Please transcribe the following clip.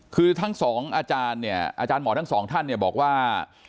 คือทั้งสองอาจารย์เนี่ยอาจารย์หมอทั้งสองท่านเนี่ยบอกว่า